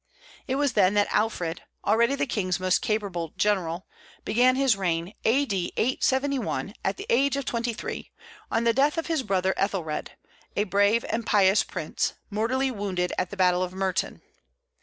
It was then that Alfred (already the king's most capable general) began his reign, A.D. 871, at the age of twenty three, on the death of his brother Ethelred, a brave and pious prince, mortally wounded at the battle of Merton.